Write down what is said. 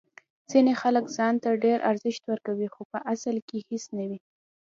ځینې خلک ځان ته ډیر ارزښت ورکوي خو په اصل کې هیڅ نه وي.